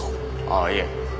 ああいえ。